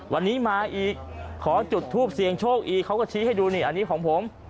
วันนี้มาอีกขอจุดทูปเสียงโชคอีกเขาก็ชี้ให้ดูนี่อันนี้ของผม